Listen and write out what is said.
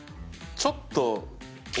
ちょっと。